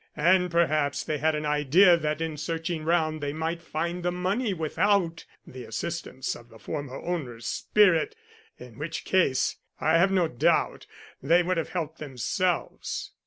And perhaps they had an idea that in searching round they might find the money without the assistance of the former owner's spirit, in which case, I have no doubt, they would have helped themselves.